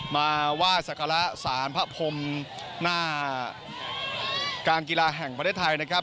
มาไหว้สักการะสารพระพรมหน้าการกีฬาแห่งประเทศไทยนะครับ